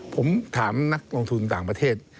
ผมถามนักลงทุนต่างประเทศ